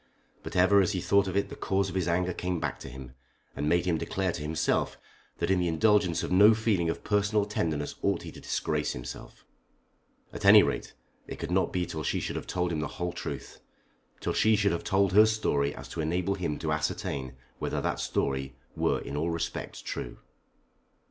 But ever as he thought of it the cause of his anger came back to him and made him declare to himself that in the indulgence of no feeling of personal tenderness ought he to disgrace himself. At any rate it could not be till she should have told him the whole truth, till she should have so told her story as to enable him to ascertain whether that story were in all respects true.